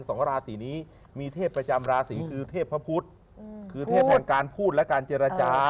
สองราศีนี้มีเทพประจำราศีคือเทพพระพุทธอืมคือเทพแห่งการพูดและการเจรจา